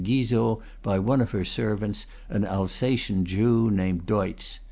Guizot, by one of her servants, an Alsatian Jew named Deutz.